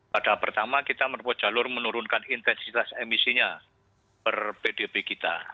pada pertama kita menemukan jalur menurunkan intensitas emisinya per pdb kita